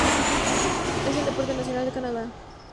Es el deporte nacional de Canadá.